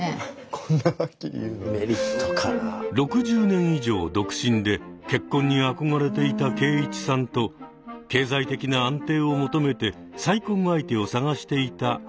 ６０年以上独身で結婚に憧れていた敬一さんと経済的な安定を求めて再婚相手を探していた明子さん。